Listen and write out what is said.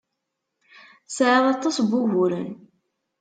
Tesɛiḍ aṭas n wuguren.